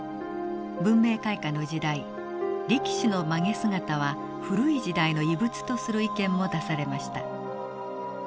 文明開化の時代力士の髷姿は古い時代の遺物とする意見も出されました。